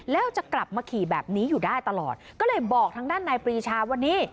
แล้วจะกลับมาขี่แบบนี้อยู่ได้ตลอดก็เลยบอกทางด้านนายปรีชาวันนี้